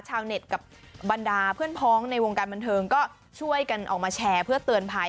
ชาวเน็ตกับบรรดาเพื่อนพ้องในวงการบันเทิงก็ช่วยกันออกมาแชร์เพื่อเตือนภัย